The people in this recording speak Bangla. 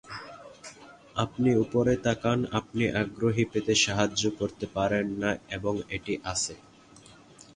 আপনি উপরে তাকান... আপনি আগ্রহী পেতে সাহায্য করতে পারে না এবং এটি আছে.